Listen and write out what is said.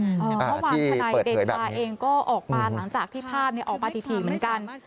เมื่อวานธนายเดชาเองก็ออกมาหลังจากที่ภาพออกมาถี่เหมือนกัน